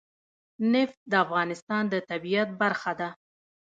نفت د افغانستان د طبیعت برخه ده.